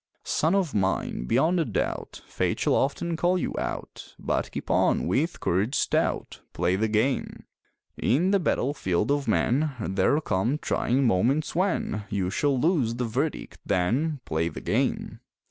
Son of mine, beyond a doubt, Fate shall often call you "out," But keep on, with courage stout Play the game! In the battlefield of men There'll come trying moments when You shall lose the verdict then Play the game!